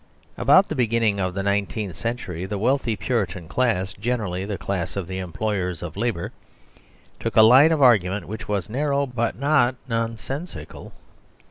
About the beginning of the nineteenth century the wealthy Puritan class, generally the class of the employers of labour, took a line of argument which was narrow, but not nonsensical.